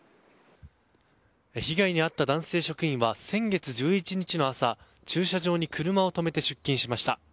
被害に遭った男性職員は先月１１日の朝駐車場に車を止めて出勤しました。